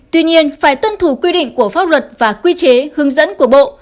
tuy nhiên phải tuân thủ quy định của pháp luật và quy chế hướng dẫn của bộ